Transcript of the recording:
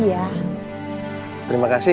masa udah dihenti nih